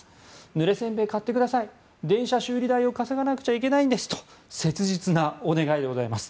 ぬれ煎餅買ってください電車修理代を稼がなくちゃいけないんですと切実なお願いでございます。